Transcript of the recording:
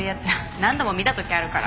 何度も見た時あるから。